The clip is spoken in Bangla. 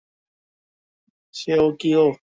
সে কি ও?